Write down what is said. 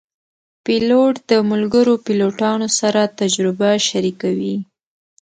پیلوټ د ملګرو پیلوټانو سره تجربه شریکوي.